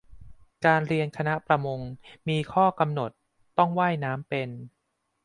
การเรียนคณะประมง มีข้อกำหนดต้องว่ายน้ำเป็น